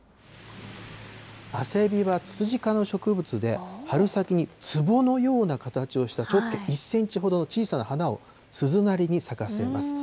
あせびはツツジ科の植物で、春先につぼのような形をした直径１センチほどの小さな花を鈴なりに咲かせます。